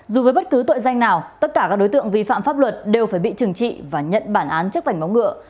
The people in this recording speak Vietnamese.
dù với bất cứ tội danh nào tất cả các đối tượng vi phạm pháp luật đều phải bị trừng trị và nhận bản án trước vảnh móng ngựa